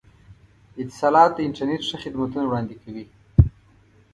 اتصالات د انترنت ښه خدمتونه وړاندې کوي.